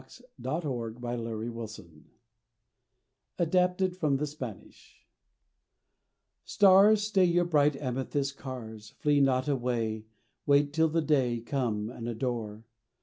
XXXIV A CHRISTMAS LULLABY ADAPTED FROM THE SPANISH STARS, Stay your bright amethyst cars, Flee not away, Wait till the day, Come and adore.